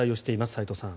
斎藤さん。